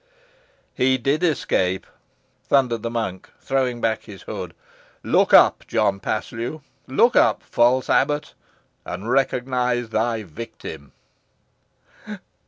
"He did escape!" thundered the monk, throwing back his hood. "Look up, John Paslew. Look up, false abbot, and recognise thy victim."